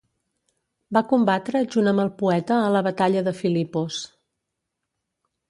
Va combatre junt amb el poeta a la batalla de Filipos.